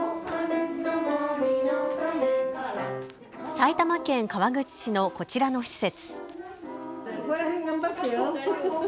埼玉県川口市のこちらの施設。